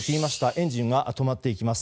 エンジンが止まっていきます。